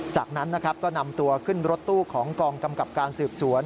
จากนั้นนะครับก็นำตัวขึ้นรถตู้ของกองกำกับการสืบสวน